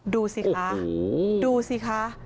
ดูสิคะดูสิคะ